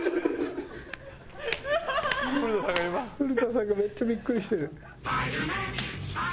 古田さんがめっちゃビックリしてる。